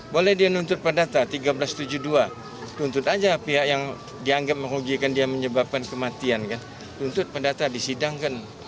boleh dia nuntut pendata seribu tiga ratus tujuh puluh dua nuntut aja pihak yang dianggap merugikan dia menyebabkan kematian kan nuntut pendata disidangkan